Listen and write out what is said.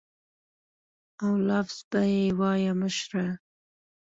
او لفظ به یې وایه مشره.